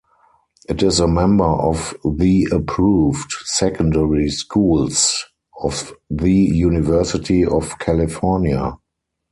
It is a member of the approved Secondary Schools of the University of California.